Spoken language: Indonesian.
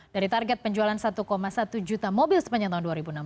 dari target penjualan satu satu juta mobil sepanjang tahun dua ribu enam belas